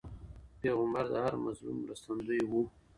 پيغمبر د هر مظلوم مرستندوی و.